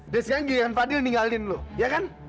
dan sekarang giliran fadil ninggalin lo ya kan